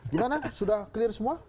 gimana sudah clear semua